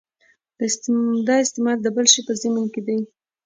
دا استعمال د بل شي په ضمن کې دی.